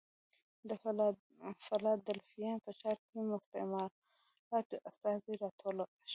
د فلادلفیا په ښار کې مستعمراتو استازي راټول شول.